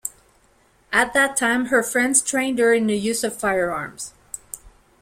At that time, her friends trained her in the use of firearms.